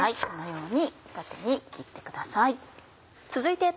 このように縦に切ってください。